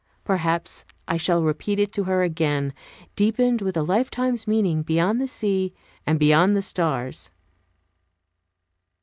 Perhaps I shall repeat it to her again, deepened with a lifetime's meaning, beyond the sea, and beyond the stars.